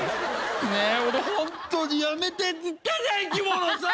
ねえ俺ホントにやめてって言ったじゃん生き物さ！